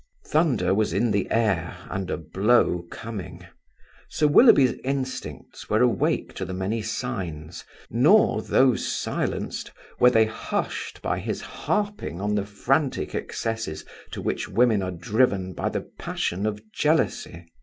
Thunder was in the air and a blow coming. Sir Willoughby's instincts were awake to the many signs, nor, though silenced, were they hushed by his harping on the frantic excesses to which women are driven by the passion of jealousy.